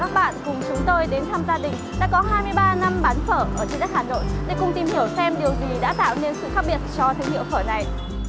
phở ở trên đất hà nội để cùng tìm hiểu xem điều gì đã tạo nên sự khác biệt cho thương hiệu phở này